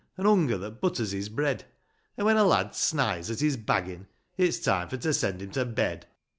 An' hunger that butters his bread ; An' when a lad snighs^ at his baggin', It's time for to send him to bed.